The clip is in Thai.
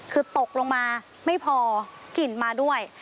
คือตกลงมาไม่พอกลิ่นมาด้วย